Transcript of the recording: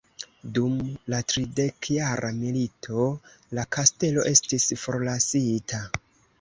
Dum la tridekjara milito la kastelo estis forlasita.